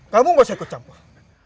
kamu gak usah ikut campak